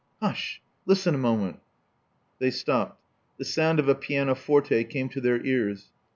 Hush. Listen a moment. " They stopped. The sound of a pianoforte came to their ears.